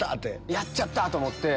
やっちゃった！と思って。